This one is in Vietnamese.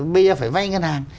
bây giờ phải vay ngân hàng